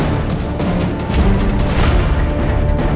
tapi masih pah diquar